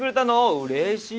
うれしい！